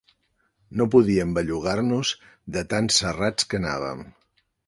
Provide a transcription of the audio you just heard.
No podíem bellugar-nos de tan serrats que anàvem.